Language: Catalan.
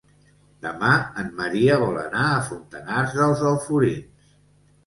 Demà en Maria vol anar a Fontanars dels Alforins.